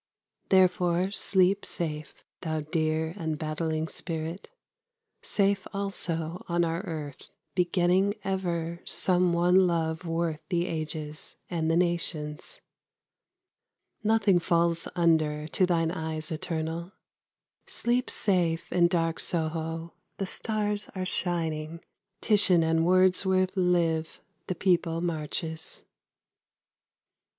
Therefore sleep safe, thou dear and battling spirit, Safe also on our earth, begetting ever Some one love worth the ages and the nations! Nothing falls under, to thine eyes eternal. Sleep safe in dark Soho: the stars are shining; Titian and Wordsworth live; the People marches.